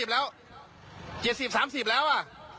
๗๐๓๐แล้ว๗๐๓๐แล้วอ่ะ